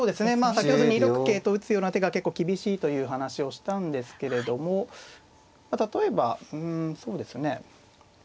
先ほど２六桂と打つような手が結構厳しいという話をしたんですけれども例えばうんそうですね